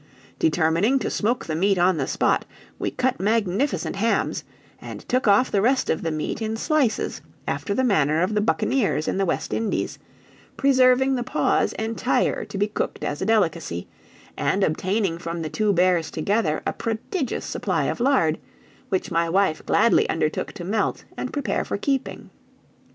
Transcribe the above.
Determining to smoke the meat on the spot, we cut magnificent hams, and took off the rest of the meat in slices after the manner of the buccaneers in the West Indies, preserving the paws entire to be cooked as a delicacy, and obtaining from the two bears together a prodigious supply of lard, which my wife gladly undertook to melt and prepare for keeping.